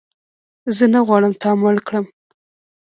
زه نه غواړم تا مړ کړم